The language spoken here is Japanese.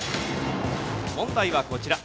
問題はこちら。